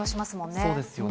そうですよね。